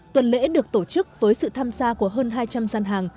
tuần lễ được tổ chức với sự tham gia của hơn hai trăm linh gian hàng